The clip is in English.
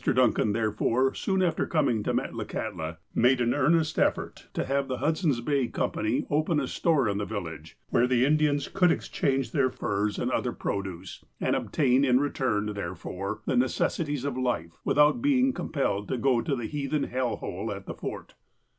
Duncan, therefore, soon after coming to Metlakahtla, made an earnest effort to have the Hudson's Bay Com pany open a store in the village where the Indians could TEMPORAL ADVANCEMENT 177 exchange their furs and other produce, and obtain, in return therefore, the necessities of life, without being compelled to go to the heathen hell hole at the Fort.